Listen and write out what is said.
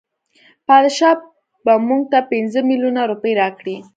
بادشاه به مونږ ته پنځه میلیونه روپۍ راکړي.